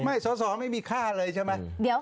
สอสอไม่มีค่าเลยใช่ไหม